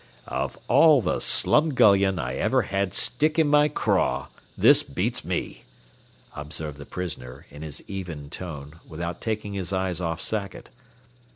"Of all the slumgullion I ever had stick in my craw, this beats me," observed the prisoner, in his even tone, without taking his eyes off Sackett.